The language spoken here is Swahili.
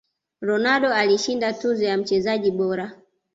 ronaldo alishinda tuzo ya mchezaji bora